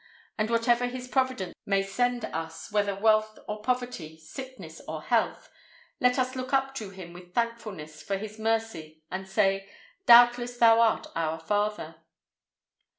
And whatever His providence may send us, whether wealth or poverty, sickness or health, let us look up to Him with thankfulness for His mercy, and say, "Doubtless Thou art our Father."